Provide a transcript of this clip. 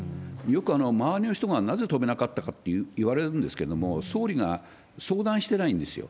よく、周りの人がなぜ止めなかったかといわれるんですけれども、総理が相談してないんですよ。